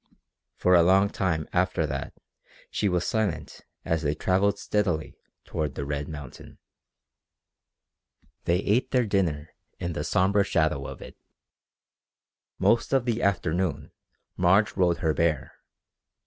For a long time after that she was silent as they travelled steadily toward the red mountain. They ate their dinner in the sombre shadow of it. Most of the afternoon Marge rode her bear.